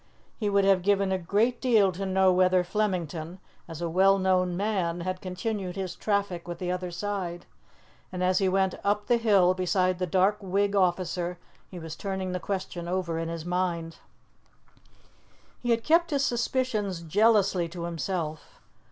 He would have given a great deal to know whether Flemington, as a well known man, had continued his traffic with the other side, and as he went up the hill beside the dark Whig officer he was turning the question over in his mind. He had kept his suspicions jealously to himself.